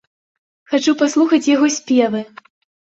Хачу паслухаць яго спевы!